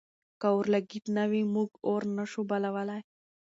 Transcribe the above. که اورلګیت نه وي، موږ اور نه شو بلولی.